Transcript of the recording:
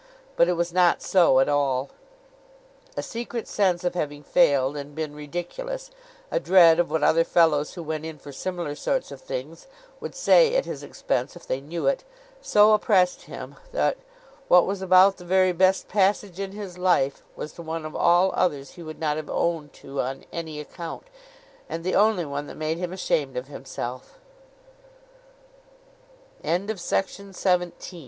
But it was not so, at all. A secret sense of having failed and been ridiculous—a dread of what other fellows who went in for similar sorts of things, would say at his expense if they knew it—so oppressed him, that what was about the very best passage in his life was the one of all others he would not have owned to on any account, and the only one that made him ashamed of himsel